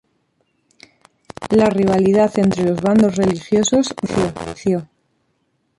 La rivalidad entre los bandos religiosos reapareció.